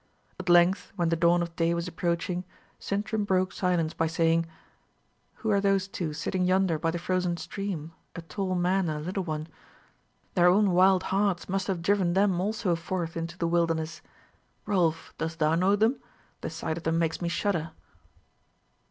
At length, when the dawn of day was approaching, Sintram broke silence by saying, "Who are those two sitting yonder by the frozen stream a tall man and a little one? Their own wild hearts must have driven them also forth into the wilderness. Rolf, dost thou know them? The sight of them makes me shudder."